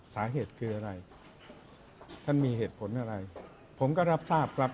สาเหตุคืออะไรท่านมีเหตุผลอะไรผมก็รับทราบครับ